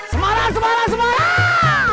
semarang semarang semarang